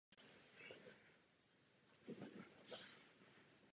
Vyloučení reklamy z vyhledávání lze docílit pomocí negativních klíčových slov.